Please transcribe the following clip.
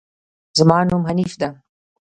زما نوم حنيف ده